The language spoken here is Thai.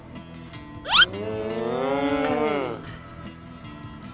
อุ๊ยหอมมาก